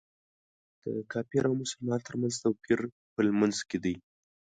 د کافر او مسلمان تر منځ توپیر په لمونځ کې دی.